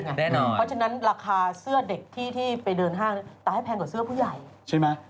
เพราะฉะนั้นราคาเสื้อเด็กที่ไปเดินห้างกแพงกว่าเสื้อผู้ใหญ่